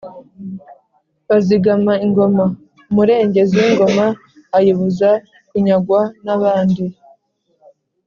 Bazigama ingoma: umurengezi w’ingoma ayibuza kunyagwa n’abandi